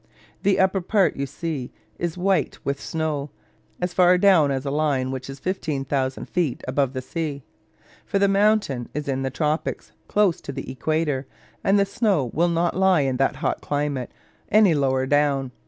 The upper part, you see, is white with snow, as far down as a line which is 15,000 feet above the sea; for the mountain is in the tropics, close to the equator, and the snow will not lie in that hot climate any lower down.